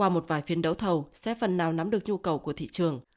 qua một vài phiên đấu thầu sẽ phần nào nắm được nhu cầu của thị trường